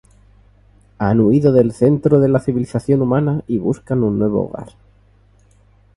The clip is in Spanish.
Han huido del centro de la civilización humana y buscan un nuevo hogar.